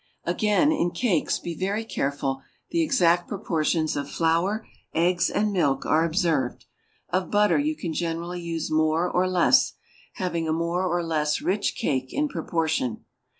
Again, in cakes be very careful the exact proportions of flour, eggs, and milk are observed; of butter you can generally use more or less, having a more or less rich cake in proportion.